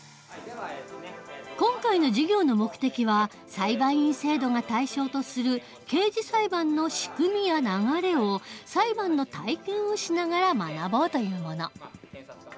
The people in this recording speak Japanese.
今回の授業の目的は裁判員制度が対象とする刑事裁判の仕組みや流れを裁判の体験をしながら学ぼうというもの。